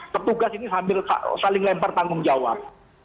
petugas ini sambil saling lempar tanggung jawab